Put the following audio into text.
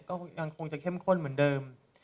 ก็ยังคงจะเข้มข้นเหมือนเดิม